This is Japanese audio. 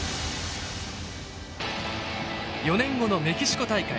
４年後のメキシコ大会。